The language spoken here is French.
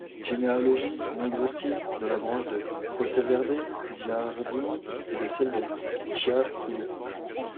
Généalogie non-exhaustive de la branche de Croceverde Giardini et de celle de Ciaculli.